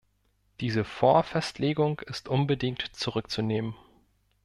Diese Vorfestlegung ist unbedingt zurückzunehmen.